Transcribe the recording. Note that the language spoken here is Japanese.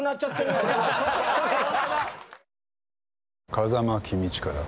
風間公親だ。